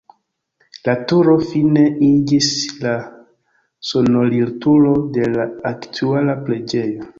La turo fine iĝis la sonorilturo de la aktuala preĝejo.